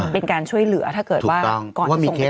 เป็นการช่วยเหลือถ้าเกิดว่าก่อนที่ส่งไปที่โรงพยาบาลถูกต้อง